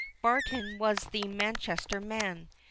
Barton was the Manchester man.